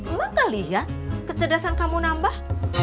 mama gak lihat kecerdasan kamu nambah